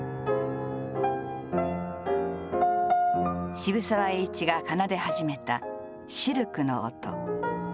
渋沢栄一が奏で始めたシルクの音。